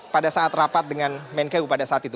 pada saat rapat dengan menkeu pada saat itu